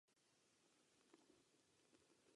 Vystudoval pedagogiku a zpočátku také pracoval jako učitel.